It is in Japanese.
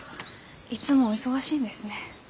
いつもお忙しいんですね。